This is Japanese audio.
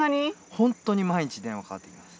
ホントに毎日電話かかってきます。